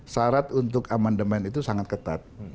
syarat untuk amandemen itu sangat ketat